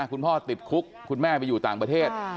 คุณพ่อติดคุกคุณแม่ไปอยู่ต่างประเทศ